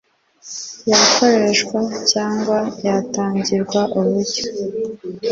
hakoreshwa cyangwa hatangirwa uburyo